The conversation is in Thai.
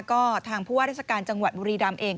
ก็ทางผู้ว่าราชการจังหวัดบุรีรำเอง